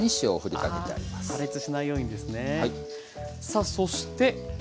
さあそして。